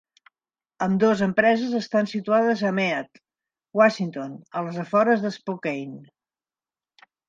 Ambdós empreses estan situades a Mead, Washington, als afores d'Spokane.